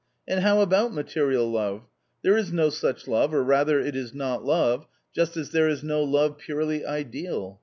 And how about material love ? There is no such love, or rather it is not love, just as there is no love purely ideal.